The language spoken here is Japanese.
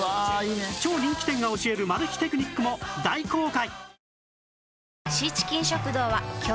超人気店が教えるマル秘テクニックも大公開